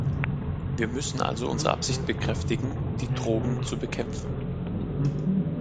Wir müssen also unsere Absicht bekräftigen, die Drogen zu bekämpfen.